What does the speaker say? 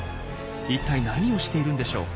一体何をしているんでしょう？